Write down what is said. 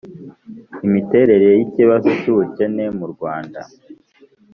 imiterere y'ikibazo cy'ubukene mu rwanda